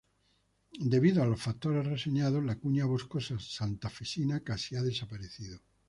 Debido a los factores reseñados la Cuña Boscosa Santafesina casi ha desaparecido.